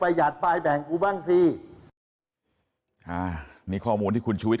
หยัดปลายแบ่งกูบ้างสิอ่านี่ข้อมูลที่คุณชูวิท